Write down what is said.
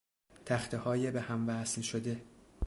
تختههای به هم وصل شده